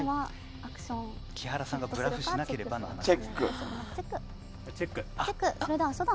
木原さんがブラフしなければの話です。